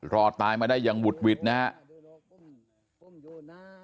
รอตายมาได้อย่างหุดหวิดนะฮะ